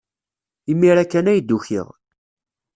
Imir-a kan ay d-ukiɣ.